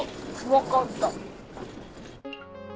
分かった。